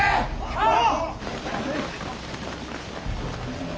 はっ！